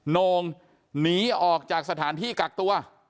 โน่งหนีออกจากสถานที่กักตัว